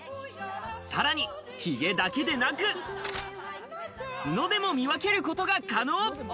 さらにヒゲだけでなく、ツノでも見分けることが可能。